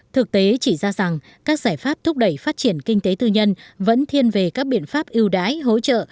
thực tế chỉ ra rằng các giải pháp thúc đẩy phát triển kinh tế tư nhân vẫn thiên về các biện pháp ưu đãi hỗ trợ